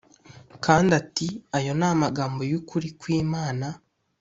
Kandi ati “Ayo ni amagambo y’ukuri kw’Imana.”